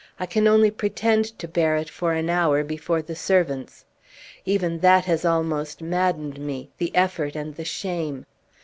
I can only pretend to bear it, for an hour, before the servants. Even that has almost maddened me, the effort, and the shame."